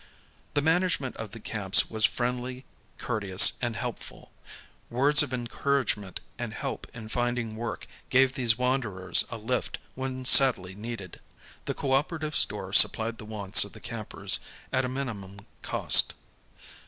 The management of the camps was friendly, courteous, and helpful. Words of encouragement and help in finding work gave these wander ers a lift when sadly needed. The cooperative store supplied the wants of the campers at a minlmiun cost.